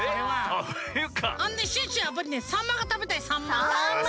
あのねシュッシュはやっぱりサンマがたべたいサンマ。